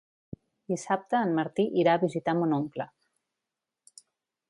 Dissabte en Martí irà a visitar mon oncle.